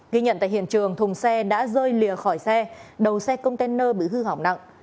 ghi nhận tại hiện trường thùng xe đã rơi lìa khỏi xe đầu xe container bị hư hỏng nặng